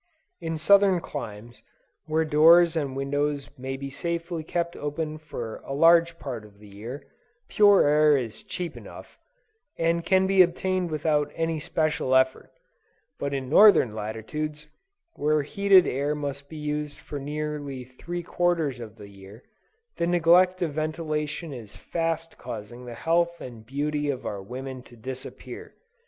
In Southern climes, where doors and windows may be safely kept open for a large part of the year, pure air is cheap enough, and can be obtained without any special effort: but in Northern latitudes, where heated air must be used for nearly three quarters of the year, the neglect of ventilation is fast causing the health and beauty of our women to disappear.